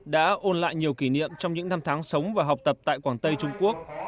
đã ôn lại nhiều kỷ niệm trong những năm tháng sống và học tập tại quảng tây trung quốc